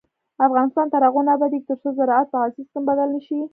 افغانستان تر هغو نه ابادیږي، ترڅو زراعت په عصري سیستم بدل نشي.